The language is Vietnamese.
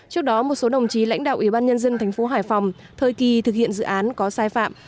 trước đó một số đồng chí lãnh đạo ủy ban nhân dân thành phố hải phòng thời kỳ thực hiện dự án có sai phạm